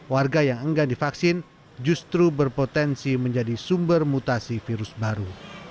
warga yang enggan divaksin justru berpotensi menjadi sumber mutasi virus baru